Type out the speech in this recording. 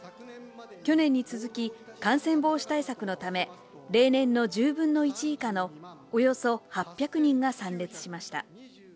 去年に続き、感染防止対策のため、例年の１０分の１以下のおよそ８００人が参列しました。